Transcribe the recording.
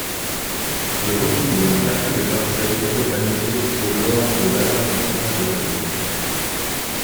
Le recouvre des quartiers de Marseille urbanisé au lors de l'agrandissement de la ville.